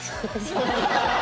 ハハハハ！